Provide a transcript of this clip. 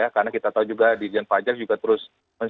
karena kita tahu juga dirijen pajak juga terus